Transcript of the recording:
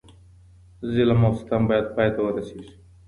ظلم او ستم بايد پای ته ورسيږي.